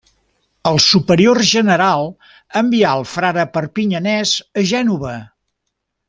El superior general envià el frare perpinyanès a Gènova.